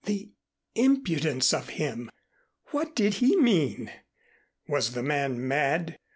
The impudence of him! What did he mean? Was the man mad?